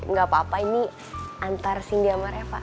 gak apa apa ini antar cindy sama reva